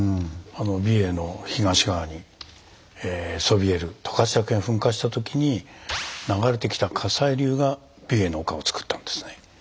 美瑛の東側にそびえる十勝岳が噴火した時に流れてきた火砕流が美瑛の丘をつくったんですね。